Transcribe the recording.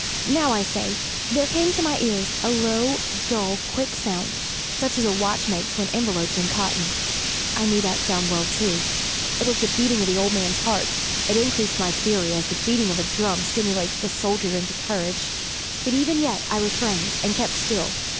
now, I say, there came to my ears a low, dull, quick sound, such as a watch makes when enveloped in cotton. I knew that sound well, too. It was the beating of the old man's heart. It increased my fury, as the beating of a drum stimulates the soldier into courage. But even yet I refrained and kept still.